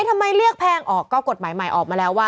ทำไมเรียกแพงออกก็กฎหมายใหม่ออกมาแล้วว่า